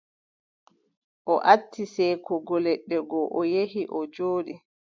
O acci seekugo leɗɗe go, o yehi, o jooɗi.